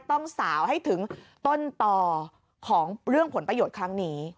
ต้องสาวให้ถึงต้นต่อของเรื่องผลประโยชน์ครั้งนี้